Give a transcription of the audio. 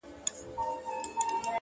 مستي؛ مستاني؛ سوخي؛ شنګي د شرابو لوري؛